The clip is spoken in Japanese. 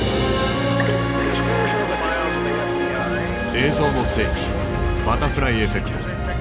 「映像の世紀バタフライエフェクト」。